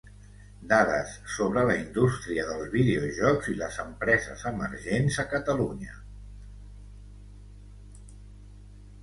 Dades sobre la indústria dels videojocs i les empreses emergents a Catalunya.